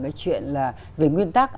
cái chuyện là về nguyên tắc